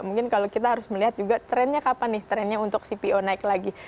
mungkin kalau kita harus melihat juga trennya kapan nih trennya untuk cpo naik lagi